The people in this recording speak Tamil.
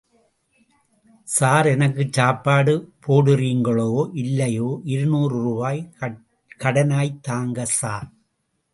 ஸார் எனக்கு சாப்பாடு போடுறிங்களோ, இல்லையோ இருநூறு ரூபாய் கடனாய் தாங்க ஸார்.